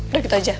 udah gitu aja